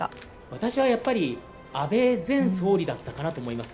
私はやっぱり安倍前総理だったかなと思います。